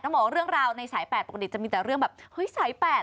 ต้องบอกว่าเรื่องราวในสายแปดปกติจะมีแต่เรื่องแบบสายแปด